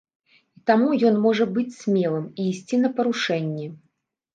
І таму ён можа быць смелым і ісці на парушэнні.